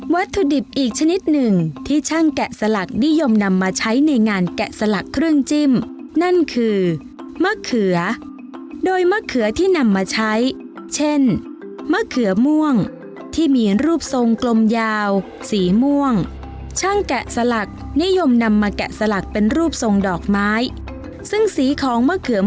วัตถุดิบอีกชนิดหนึ่งที่ช่างแกะสลักนิยมนำมาใช้ในงานแกะสลักเครื่องจิ้มนั่นคือมะเขือโดยมะเขือที่นำมาใช้เช่นมะเขือม่วงที่มีรูปทรงกลมยาวสีม่วงช่างแกะสลักนิยมนำมาแกะสลักเป็นรูปทรงดอกไม้ซึ่งสีม่วงที่มีรูปทรงกลมยาวสีม่วงช่างแกะสลักนิยมนำมาแกะสลักเป็นรูปทรงด